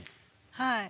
はい。